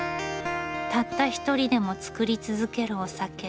たった一人でも造り続けるお酒。